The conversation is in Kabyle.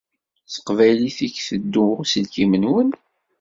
S teqbaylit i iteddu uselkim-nwen?